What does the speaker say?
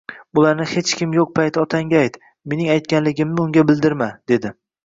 «Bularni hech kim yo'q payti otangga ayt, mening aytganligimni unga bildirma», — dedi.